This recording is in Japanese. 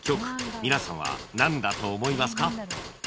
皆さんはなんだと思いますか？